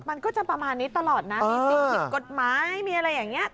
มันก็จะประมาณนี้ตลอดนะมีสิ่งผิดกฎหมายมีอะไรอย่างนี้